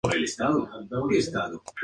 La cueva continúa.